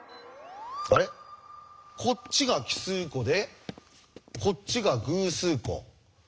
こっちが奇数個でこっちが偶数個。